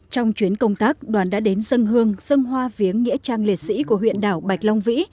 trong chuyến công tác đoàn đã đến dân hương dân hoa viếng nghĩa trang liệt sĩ của huyện đảo bạch long vĩ